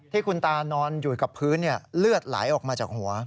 ที่คุณตานอนอยู่กับพื้นเลือดไหลออกมาจากหัว